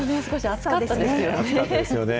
暑かったですよね。